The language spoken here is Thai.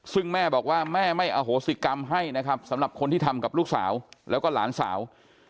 ซึ่งแม่บอกว่าแม่ไม่อโหสิกรรมให้นะครับสำหรับคนที่ทำกับลูกสาวแล้วก็หลานสาว